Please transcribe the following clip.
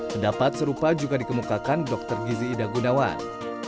pendapat serupa juga dikemukakan dr gizi idagunawan